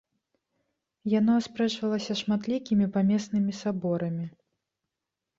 Яно аспрэчвалася шматлікімі памеснымі саборамі.